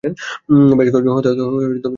বেশ কয়েকজন হতাহত হওয়ার সম্ভাবনা আছে।